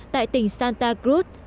tại tỉnh santa cruz